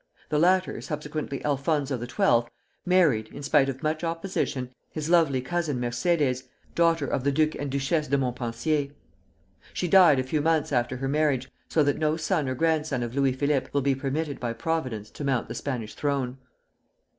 The latter, subsequently Alfonso XII., married, in spite of much opposition, his lovely cousin Mercedes, daughter of the Duke and Duchess of Montpensier. She died a few months after her marriage, so that no son or grandson of Louis Philippe will be permitted by Providence to mount the Spanish throne.